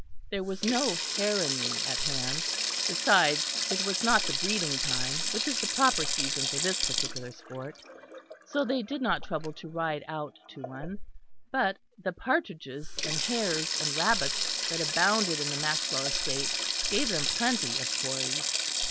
There was no heronry at hand; besides, it was not the breeding time which is the proper season for this particular sport; so they did not trouble to ride out to one; but the partridges and hares and rabbits that abounded in the Maxwell estate gave them plenty of quarreys.